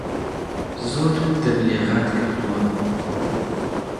زۆرت تەبلیغات کردوە